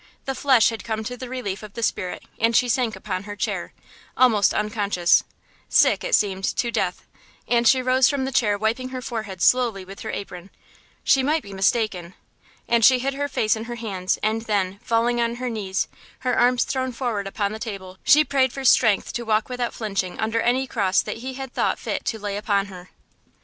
The flesh had come to the relief of the spirit; and she sank upon her chair, almost unconscious, sick, it seemed, to death, and she rose from the chair wiping her forehead slowly with her apron.... She might be mistaken. And she hid her face in her hands, and then, falling on her knees, her arms thrown forward upon the table, she prayed for strength to walk without flinching under any cross that He had thought fit to lay upon her.